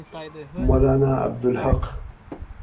مولانا عبدالحق